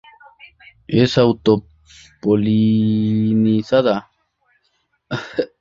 Es auto-polinizada.